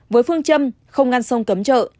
với phương châm không ngăn sông cấm trợ